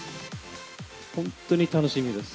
本当に楽しみです。